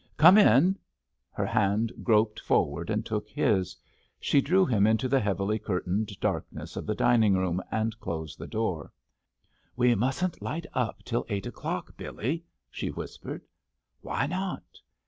"Come in——" Her hand groped forward and took his. She drew him into the heavily curtained darkness of the dining room and closed the door. "We mustn't light up till eight o'clock, Billy," she whispered. "Why not?"